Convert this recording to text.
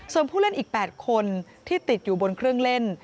ส่วนผู้เล่นอีก๘คนที่ติดอยู่บนเครื่องเล่น